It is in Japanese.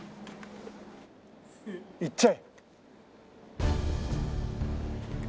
いっちゃえ。